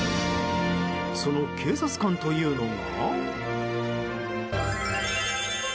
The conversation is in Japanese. その警察官というのが。